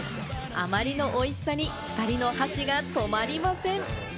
あまりの美味しさに、２人の箸が止まりません。